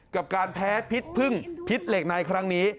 กับการแพ้พิษพึ่งพิษเหล็กในครั้งนี้